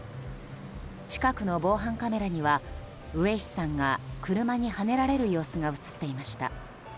近くの防犯カメラには上石さんが車にはねられる様子が映っていました。